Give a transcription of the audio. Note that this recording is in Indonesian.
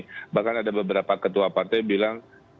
ya saya kira ya beberapa ketua partai bilang